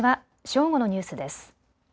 正午のニュースです。